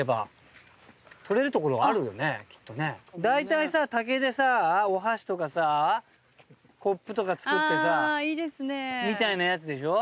だいたい竹でお箸とかコップとか作ってみたいなやつでしょ。